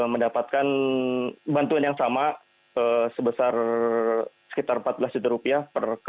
mendapatkan bantuan yang sama sebesar sekitar empat belas juta rupiah